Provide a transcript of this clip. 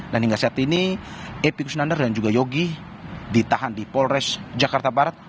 dan hingga saat ini epi kusnandar dan juga yogi ditahan di polres jakarta barat